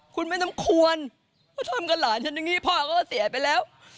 คุณไม่ต้องควรเขาทำกับหลานฉันอย่างนี้พ่อก็เสียไปแล้ว